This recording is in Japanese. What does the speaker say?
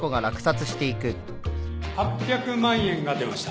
８００万円が出ました。